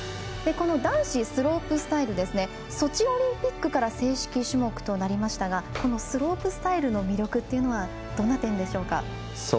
男子スロープスタイルはソチオリンピックから正式種目となりましたがスロープスタイルの魅力はどんな点でしょうか。